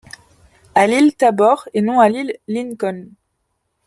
À l’île Tabor, et non à l’île Lincoln